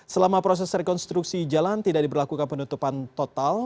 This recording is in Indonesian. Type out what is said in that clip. selama proses rekonstruksi jalan tidak diberlakukan penutupan total